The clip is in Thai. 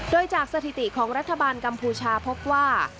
โดยจากสถิติของรัฐบาลกัมพูชาพบว่า